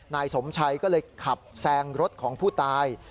นายสมชัยก็เลยขับแซงรถของผู้ตาย